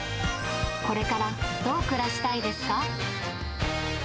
これからどう暮らしたいですか？